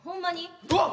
うわっ！